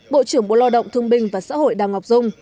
bộ trưởng bộ lao động thương binh và xã hội đào ngọc dung